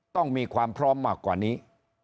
ต้องมีความพร้อมมากกว่านี้